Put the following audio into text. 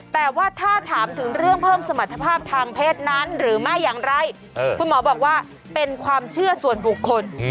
แต่ว่าถ้าถามถึงเรื่องเพิ่มสมรรถภาพทางเพศนั้นหรือไม่อย่างไรคุณหมอบอกว่าเป็นความเชื่อส่วนบุคคล